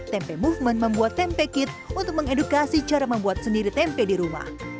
tempe movement membuat tempe kit untuk mengedukasi cara membuat sendiri tempe di rumah